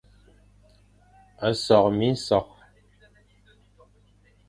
Sokh minsokh,